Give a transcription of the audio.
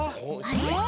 あれ？